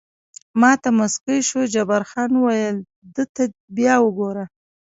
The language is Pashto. ما ته موسکی شو، جبار خان وویل: ده ته بیا وګوره.